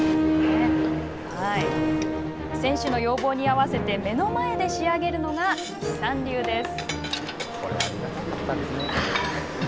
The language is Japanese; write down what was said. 選手の要望に合わせて目の前で仕上げるのが西さん流です。